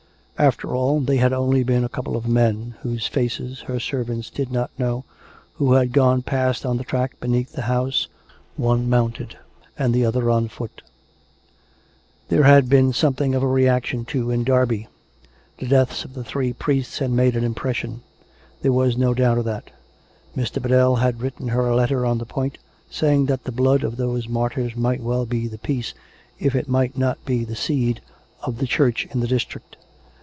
After all, they had only been a couple of men, whose faces her servants did not know, who had gone past on the track beneath the house; one mounted, and the other on foot. There had been something of a reaction, too, in Derby. The deaths of the three priests had made an impression; there was no doubt of that. Mr. Biddell had written her a letter on the point, saying that the blood of those martyrs might well be the peace, if it might not be the seed, of the Church in the district.